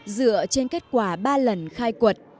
dựa trên kết quả ba lần khai quật